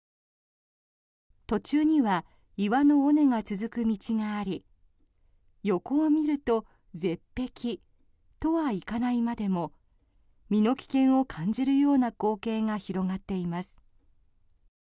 途中には岩の尾根が続く道があり横を見ると絶壁とはいかないまでも身の危険を感じるような光景が広がっています。